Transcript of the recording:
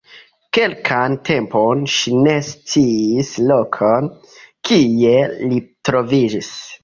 Kelkan tempon ŝi ne sciis lokon, kie li troviĝis.